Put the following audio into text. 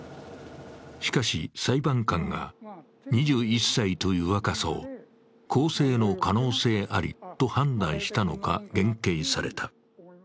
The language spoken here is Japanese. しかし、裁判官が２１歳という若さを更生の可能性ありと判断したのか、減刑された。